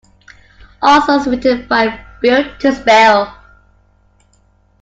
All songs written by Built To Spill.